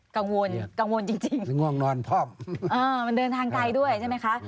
กังวลกังวลจริงจริงมันเดินทางไทยด้วยใช่ไหมคะ